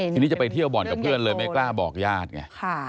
ทีนี้จะไปเที่ยวบ่อนกับเพื่อนเลยไม่กล้าบอกญาติไง